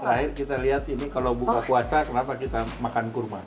terakhir kita lihat ini kalau buka puasa kenapa kita makan kurma